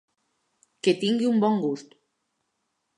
Que tingui un bon gust.